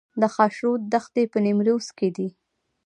د خاشرود دښتې په نیمروز کې دي